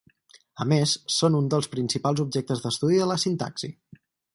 A més, són un dels principals objectes d'estudi de la Sintaxi.